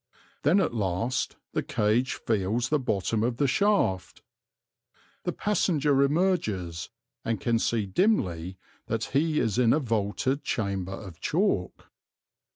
Then at last the cage feels the bottom of the shaft. The passenger emerges, and can see dimly that he is in a vaulted chamber of chalk.